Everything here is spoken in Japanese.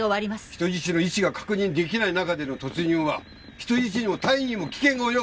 人質の位置が確認出来ない中での突入は人質にも隊員にも危険が及ぶ。